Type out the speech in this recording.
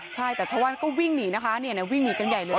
ใช่แต่ชาวบ้านก็วิ่งหนีนะคะวิ่งหนีกันใหญ่เลย